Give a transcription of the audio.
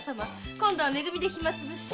今度はめ組で暇つぶし？